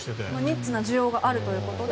ニッチな需要があるということで。